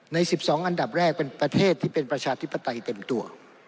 ใน๑๒อันดับแรกเป็นประเทศที่เป็นประชาธิปไตยเต็มตัว